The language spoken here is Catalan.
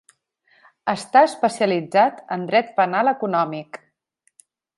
Està especialitzat en dret penal econòmic.